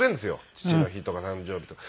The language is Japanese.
父の日とか誕生日とか。